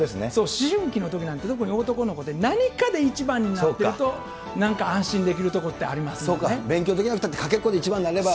思春期のときなんて、特に男の子って、何かで一番になってると、なんか安心できるところってそうか、勉強できなくたって、かけっこで一番になれば。